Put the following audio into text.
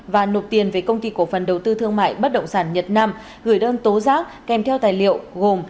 và nộp tiền với công ty cổ phần đầu tư thương mại bất động sản nhật nam gửi đơn tố giác kèm theo tài liệu gồm